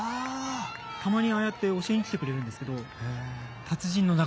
たまにああやって教えに来てくれるんですけど達人の中島さん